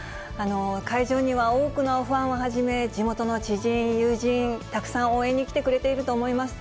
会場には多くのファンをはじめ、地元の知人、友人、たくさん応援に来てくれていると思います。